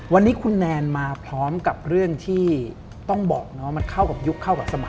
วันนี้คุณแนนมาพร้อมกับเรื่องที่ต้องบอกนะว่ามันเข้ากับยุคเข้ากับสมัย